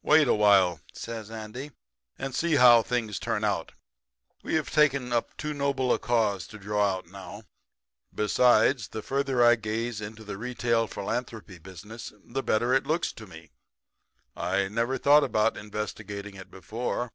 "'Wait a while,' says Andy, 'and see how things turn out. We have taken up too noble a cause to draw out now. Besides, the further I gaze into the retail philanthropy business the better it looks to me. I never thought about investigating it before.